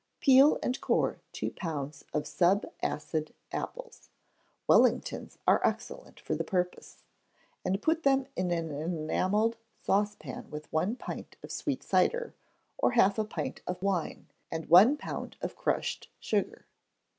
Peel and core two pounds of sub acid apples Wellingtons are excellent for the purpose and put them in an enamelled saucepan with one pint of sweet cider, or half a pint of pure wine, and one pound of crushed sugar.